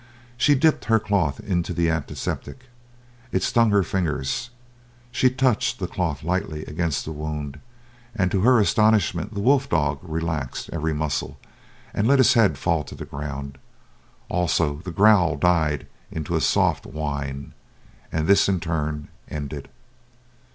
She dipped her cloth into the antiseptic; it stung her fingers! She touched the cloth lightly against the wound; and to her astonishment the wolf dog relaxed every muscle and let his head fall to the ground; also the growl died into a soft whine, and this in turn ended.